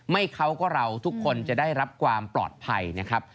ไม่เขาก็เราทุกคนจะได้รับความปลอดภัย